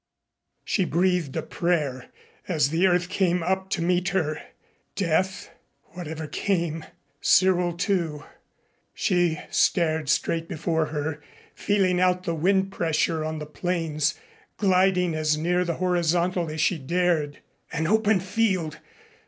She breathed a prayer as the earth came up to meet her. Death ? Whatever came Cyril, too.... She stared straight before her, feeling out the wind pressure on the planes, gliding as near the horizontal as she dared. An open field!